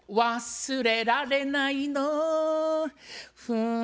「忘れられないの」